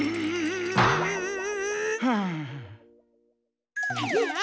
はあ。